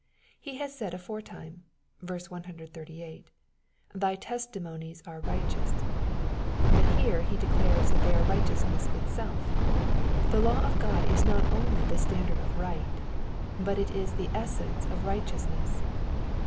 He had said aforetime (verse 138), Thy testimonies are righteous," but here he declares that they are righteousness itself. The law of God is not only the standard of right, but it is the essence of righteousness.